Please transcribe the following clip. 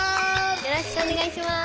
よろしくお願いします。